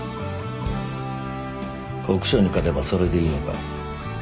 国生に勝てばそれでいいのか？